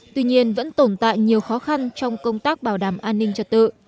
tuy nhiên vẫn tồn tại nhiều khó khăn trong công tác bảo đảm an ninh trật tự